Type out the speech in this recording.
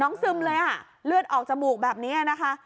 ซึมเลยอ่ะเลือดออกจมูกแบบนี้นะคะ